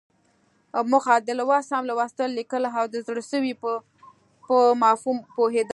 موخه: د لوست سم لوستل، ليکل او د زړه سوي په مفهوم پوهېدل.